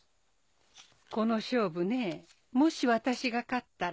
この勝負ねもし私が勝ったら。